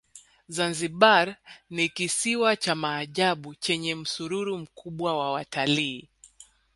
zanzibar ni kisiwa cha maajabu chenye msururu mkubwa wa watalii